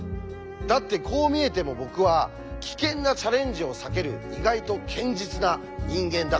だってこう見えても僕は危険なチャレンジを避ける意外と堅実な人間だからです。